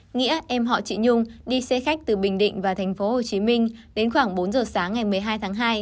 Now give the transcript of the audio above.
nghĩa em họ chị nhung đi xe khách từ bình định và thành phố hồ chí minh đến khoảng bốn giờ sáng ngày một mươi hai tháng hai